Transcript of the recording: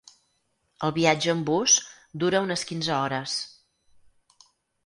El viatge amb bus dura unes quinze hores.